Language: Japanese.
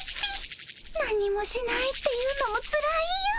なんにもしないっていうのもつらいよ。